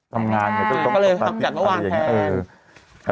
ทำงานเนี่ยก็เลยทำอย่างเมื่อวานแทน